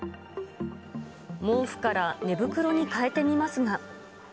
毛布から寝袋に変えてみます